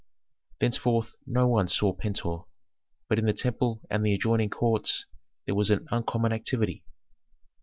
Thenceforth no one saw Pentuer, but in the temple and the adjoining courts there was an uncommon activity.